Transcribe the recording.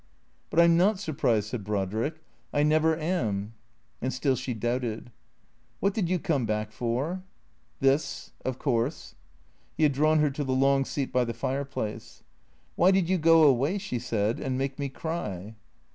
" But I 'm not surprised," said Brodrick. " I never am." And still she doubted. " Wliat did you come back for ?"" This, of course." He had drawn her to the long seat by the fireplace. " Why did you go away," she said, " and make me cry